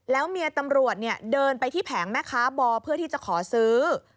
แล้วเมียตำรวจเดินไปที่แผงแม่ค้าบอเพื่อที่จะขอซื้อ